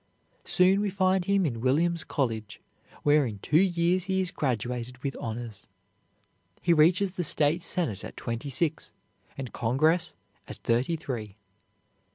Soon we find him in Williams College, where in two years he is graduated with honors. He reaches the State Senate at twenty six and Congress at thirty three.